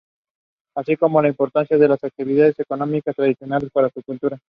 Así como la importancia de las actividades económicas tradicionales para su cultura.